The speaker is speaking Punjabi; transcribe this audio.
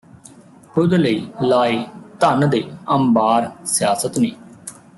ਖ਼ੁਦ ਲਈ ਲਾਏ ਧਨ ਦੇ ਅੰਬਾਰ ਸਿਆਸਤ ਨੇ